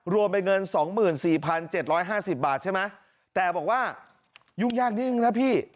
รวมเป็นเงิน๒๔๗๕๐บาทใช่ไหมแต่บอกว่ายุ่งยากนิดนึงนะพี่